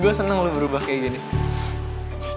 gue senang lo berubah kayak gini